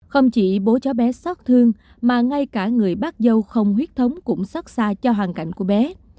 không chỉ bố cháu bé xót thương mà ngay cả người bác dâu không huyết thống cũng xót xa cho hoàn cảnh của bé